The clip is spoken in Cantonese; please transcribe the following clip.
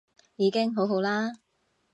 已經好好啦